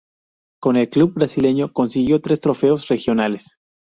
Con el club brasileño consiguió tres trofeos regionales.